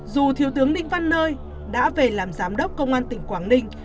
dù thiếu tướng đinh văn nơi đã về làm giám đốc công an tỉnh quảng ninh